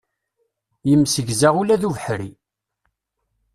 Yemsegza ula d ubeḥri.